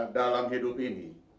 dalam hidup ini